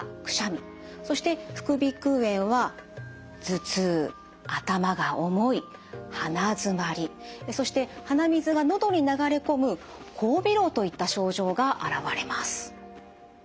そして副鼻腔炎は頭痛頭が重い鼻づまりそして鼻水が喉に流れ込む後鼻漏といった症状が現れます。